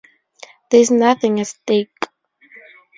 There is nothing at stake.